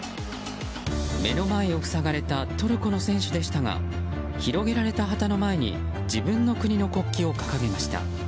目の前を塞がれたトルコの選手でしたが広げられた旗の前に自分の国の国旗を掲げました。